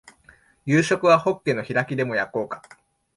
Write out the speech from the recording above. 夕食はホッケの開きでも焼こうか